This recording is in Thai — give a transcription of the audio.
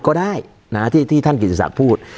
ก็ได้ที่ท่านกิจสัตว์พูด